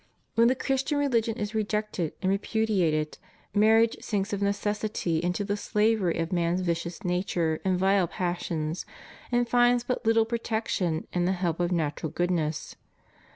When the Christian religion is rejected and repudi ated, marriage sinks of necessity into the slavery of man's vicious nature and vile passions, and finds but little protec tion in the help of natural goodness.